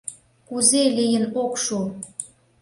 Кузе лийын ок шу?